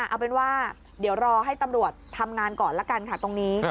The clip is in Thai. เอาเป็นว่าเดี๋ยวรอให้ตำรวจทำงานก่อนละกันค่ะตรงนี้